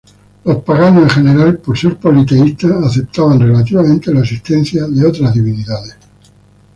Los paganos en general por ser politeístas, aceptaban relativamente la existencia de otras divinidades.